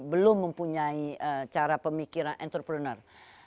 belum mempunyai cara pemikiran entrepreneur